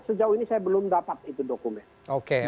sejauh ini saya belum dapat itu dokumen